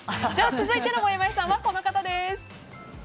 続いてのもやもやさんはこの方です。